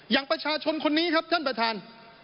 อย่างประชาชนคนนี้ครับท่านประธาน